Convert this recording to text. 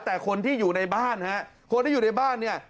แต่คนที่อยู่ในบ้านเนี่ย